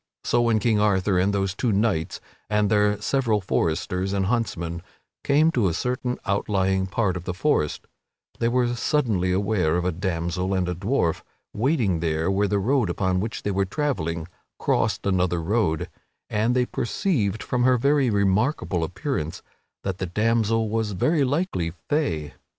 So when King Arthur and those two knights and their several foresters and huntsmen came to a certain outlying part of the forest, they were suddenly aware of a damsel and a dwarf waiting where the road upon which they were travelling crossed another road, and they perceived, from her very remarkable appearance, that the damsel was very likely Fay.